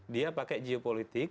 dia pakai geopolitik